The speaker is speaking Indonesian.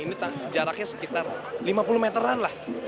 ini jaraknya sekitar lima puluh meteran lah